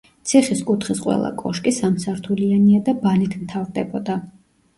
ციხის კუთხის ყველა კოშკი სამსართულიანია და ბანით მთავრდებოდა.